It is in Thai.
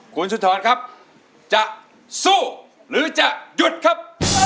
คุณสุธรครับจะสู้หรือจะหยุดครับ